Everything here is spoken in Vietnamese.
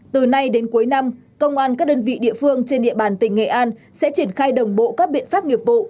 từ nay đến cuối năm công an các đơn vị địa phương trên địa bàn tỉnh nghệ an sẽ triển khai đồng bộ các biện pháp nghiệp vụ